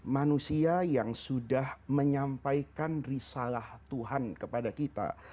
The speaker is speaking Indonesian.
manusia yang sudah menyampaikan risalah tuhan kepada kita